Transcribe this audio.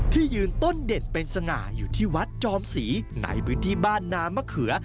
ยืนต้นเด่นเป็นสง่าอยู่ที่วัดจอมศรีในพื้นที่บ้านน้ำมะเขือ